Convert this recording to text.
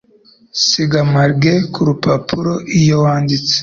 Siga margin kurupapuro iyo wanditse.